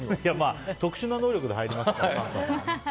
特殊な能力で入りますからね。